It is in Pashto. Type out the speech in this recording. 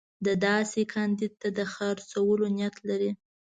ده داسې کاندید ته د خرڅولو نیت لري.